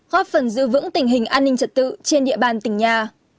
góp phần giữ vững tình hình an ninh trật tự trên địa bàn tỉnh nhà